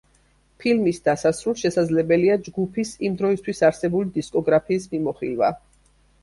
ფილმის დასასრულს შესაძლებელია ჯგუფის იმ დროისთვის არსებული დისკოგრაფიის მიმოხილვა.